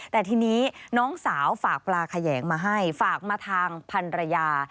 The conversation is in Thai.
แต่ทีนี้น้องสาวฝากปลาแขยงมาให้ฝากมาทางพันรยา